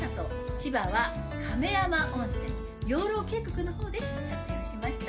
千葉は亀山温泉養老渓谷の方で撮影をしました